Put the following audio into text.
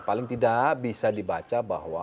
paling tidak bisa dibaca bahwa